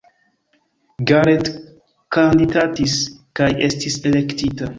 Garrett kandidatis kaj estis elektita.